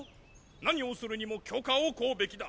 なにをするにも許可を乞うべきだ。